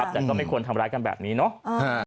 แต่ก็ไม่ควรทำร้ายกันแบบนี้เนาะ